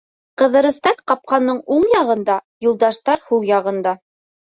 Ҡыҙырастар ҡапҡаның уң яғында, Юлдаштар һул яғында.